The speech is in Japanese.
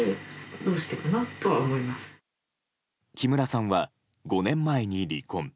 木村さんは５年前に離婚。